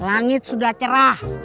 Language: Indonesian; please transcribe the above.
langit sudah cerah